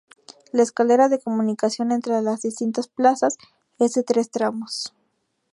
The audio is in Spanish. La escalera de comunicación entre las distintas plantas es de tres tramos.